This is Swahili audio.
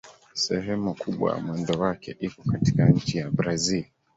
Sehemu kubwa ya mwendo wake iko katika nchi ya Brazil.